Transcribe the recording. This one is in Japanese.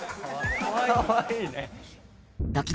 かわいいね。